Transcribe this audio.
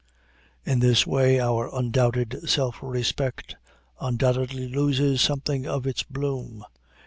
In this way our undoubted self respect undoubtedly loses something of its bloom.